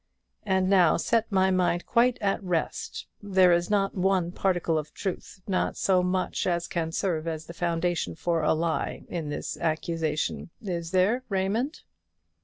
And now set my mind quite at rest: there is not one particle of truth not so much as can serve as the foundation for a lie in this accusation, is there, Raymond?"